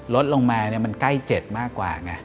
ลดลงมามันใกล้๗มากกว่าไง